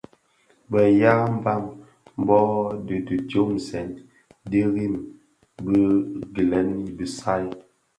Bë ya mbam bō dhi di diomzèn dirim bi gilèn i bisai.